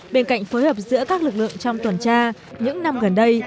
bên cạnh phối hợp giữa các lực lượng trong tuần tra những năm gần đây